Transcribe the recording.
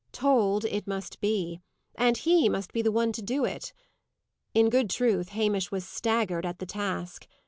Told it must be; and he must be the one to do it. In good truth, Hamish was staggered at the task.